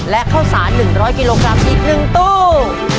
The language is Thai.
และข้าวสาร๑๐๐กิโลกรัมอีก๑ตู้